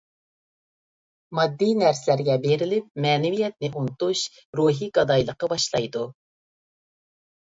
ماددىي نەرسىلەرگە بېرىلىپ مەنىۋىيەتنى ئۇنتۇش روھىي گادايلىققا باشلايدۇ.